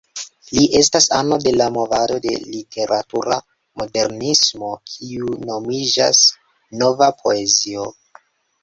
Li estis ano de la movado de literatura modernismo kiu nomiĝas "Nova Poezio".